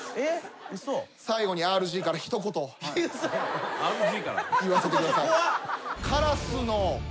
最後にＲＧから一言言わせてください。